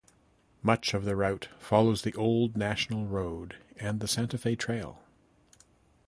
Much of the route follows the old National Road and the Santa Fe Trail.